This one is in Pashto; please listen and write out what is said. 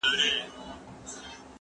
زه به سبا اوبه پاکوم.